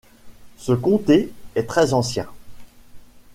Ce comté est très ancien.